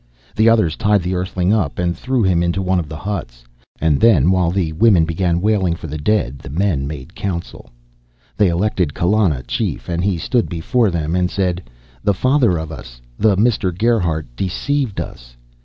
The others tied the Earthling up and threw him into one of the huts. And then, while the women began wailing for the dead, the men made council. They elected Kallana chief and he stood before them and said, "The Father of Us, the Mister Gerhardt, deceived us."